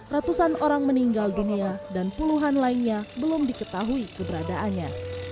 ratusan orang meninggal dunia dan puluhan lainnya belum diketahui keberadaannya